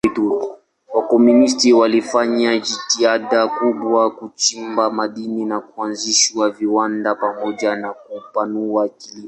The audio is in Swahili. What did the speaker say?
Wakomunisti walifanya jitihada kubwa kuchimba madini na kuanzisha viwanda pamoja na kupanua kilimo.